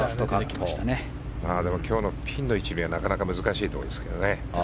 今日のピンの位置ではなかなか難しいところですね。